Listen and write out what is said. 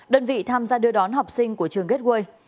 đơn vị tham gia đưa đón học sinh của trường ghét quê